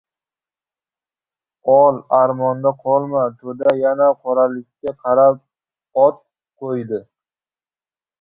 Ol, armonda qolma! To‘da yana qoralikka qarab ot qo‘ydi.